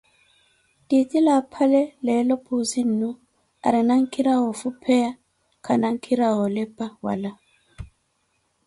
Titile aphale leelo Puuzi-nnu aarina nkhira woofupheya, khana nkhira woolepa wala.